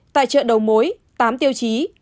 tại chợ đầu mối tám tiêu chí